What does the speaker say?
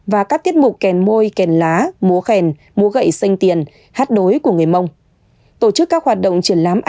và các tiết mục kèn môi kèn lá múa khèn múa gậy xanh tiền hát đối của người mông